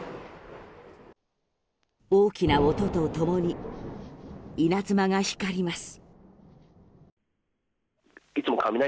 大きな音と共に稲妻が光ります。